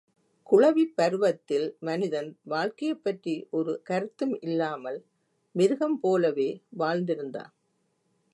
குழவிப் பருவத்தில் மனிதன், வாழ்க்கையைப் பற்றி ஒரு கருத்தும் இல்லாமல், மிருகம் போலவே வாழ்ந்திருந்தான்.